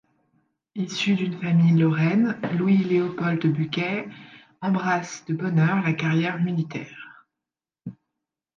Issu d'une famille lorraine, Louis Léopold Buquet embrasse de bonne heure la carrière militaire.